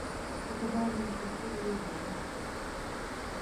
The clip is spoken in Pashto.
فوټبال مشهوره لوبه ده